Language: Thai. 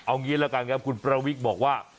เอางี้แล้วกันนะครับคุณประวิกบอกว่า